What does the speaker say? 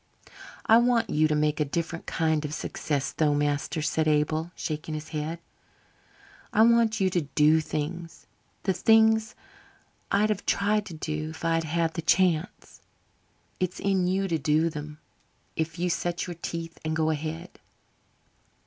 "I want you to make a different kind of success, though, master," said Abel, shaking his head. "I want you to do things the things I'd have tried to do if I'd had the chance. It's in you to do them if you set your teeth and go ahead."